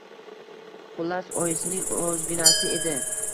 Xullas, oyisining o`zginasi edi